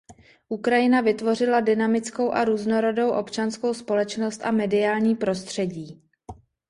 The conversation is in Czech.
Ukrajina vytvořila dynamickou a různorodou občanskou společnost a mediální prostředí.